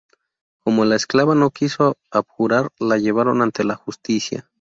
Como la esclava no quiso abjurar la llevaron ante la justicia.